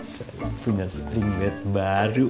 saya punya spring bed baru